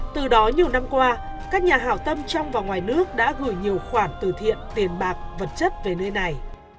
từ đó nhiều năm qua các nhà hảo tâm trong và ngoài nước đã gửi nhiều khoản từ thiện tiền bạc vật chất về nơi này